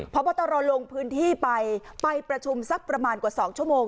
พบตรลงพื้นที่ไปไปประชุมสักประมาณกว่า๒ชั่วโมง